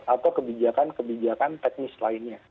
atau kebijakan kebijakan teknis lainnya